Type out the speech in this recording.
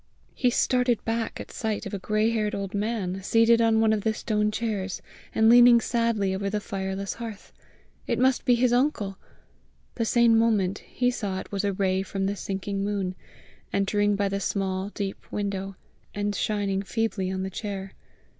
He started back at sight of a gray haired old man, seated on one of the stone chairs, and leaning sadly over the fireless hearth: it must be his uncle! The same moment he saw it was a ray from the sinking moon, entering by the small, deep window, and shining feebly on the chair.